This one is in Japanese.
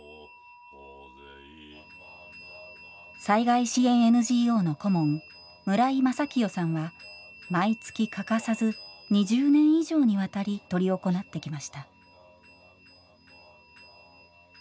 災害支援ＮＧＯの顧問村井雅清さんは毎月欠かさず２０年以上にわたり執り行ってきました。